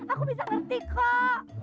aku bisa ngerti kok